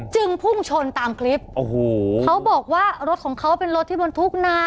พุ่งชนตามคลิปโอ้โหเขาบอกว่ารถของเขาเป็นรถที่บรรทุกนา